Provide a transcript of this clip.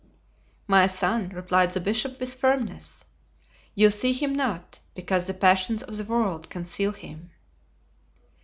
"My son," replied the bishop, with firmness, "you see Him not, because the passions of the world conceal Him."